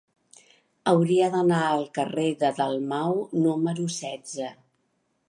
Hauria d'anar al carrer de Dalmau número setze.